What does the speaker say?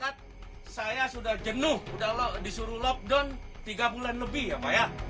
saat saya sudah jenuh disuruh lockdown tiga bulan lebih ya pak ya